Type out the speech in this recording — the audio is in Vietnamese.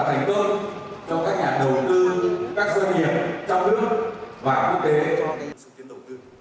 trong các nhà đầu tư các doanh nghiệp trong nước và quốc tế